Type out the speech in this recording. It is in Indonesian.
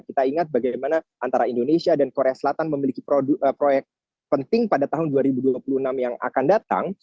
kita ingat bagaimana antara indonesia dan korea selatan memiliki proyek penting pada tahun dua ribu dua puluh enam yang akan datang